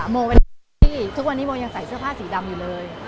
โมเป็นที่ทุกวันนี้โมยังใส่เสื้อผ้าสีดำอยู่เลย